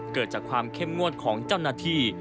เกิดจากความเข้มงวดของเจ้าหน้าที่